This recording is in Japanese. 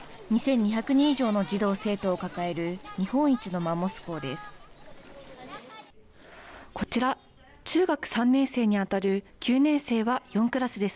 ２２００人以上の児童・生徒を抱える日本一のマンモス校です。